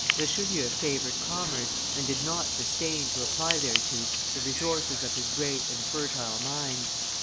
Richelieu favored commerce, and did not disdain to apply thereto the resources of his great and fertile mind.